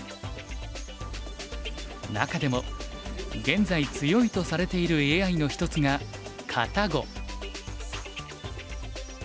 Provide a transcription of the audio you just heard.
中でも現在強いとされているＡＩの一つがＫａｔａＧｏ。